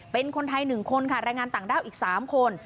เป็นคนไทย๑คนค่ะแรงงานต่างด้าวอีก๓คน